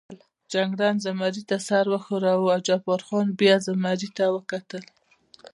جګړن زمري ته سر و ښوراوه، جبار خان بیا زمري ته وکتل.